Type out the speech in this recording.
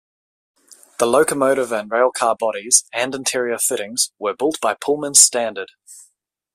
The locomotive and railcar bodies, and interior fittings, were built by Pullman-Standard.